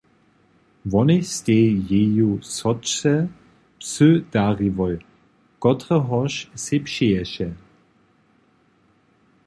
Wonej stej jeju sotře psa dariłoj, kotrehož sej přeješe.